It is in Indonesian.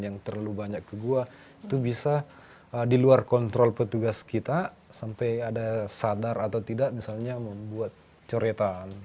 yang terlalu banyak ke gua itu bisa di luar kontrol petugas kita sampai ada sadar atau tidak misalnya membuat coretan